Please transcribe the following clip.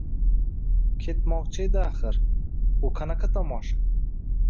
Ketmoqchi edi, axir! Bu qanaqa tomosha?